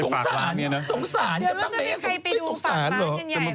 เดี๋ยวมันจะมีใครไปดูฝากร้านกันใหญ่บ้าง